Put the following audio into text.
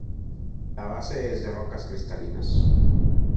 La base es de rocas cristalinas.